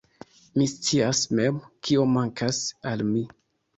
Mi scias mem, kio mankas al mi.